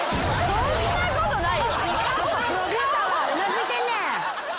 そんなことない！